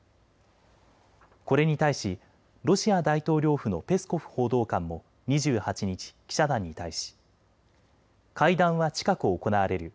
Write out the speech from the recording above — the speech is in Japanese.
これに対しロシア大統領府のペスコフ報道官も２８日、記者団に対し会談は近く行われる。